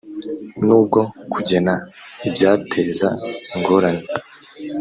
nubwo kugena ibyateza ingorane